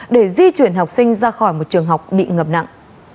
để di chuyển học sinh ra khỏi một trường học bị ngập nặng